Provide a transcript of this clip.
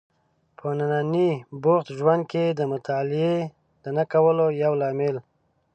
په ننني بوخت ژوند کې د مطالعې د نه کولو یو لامل